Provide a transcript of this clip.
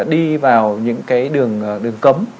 đi vào những cái đường cấm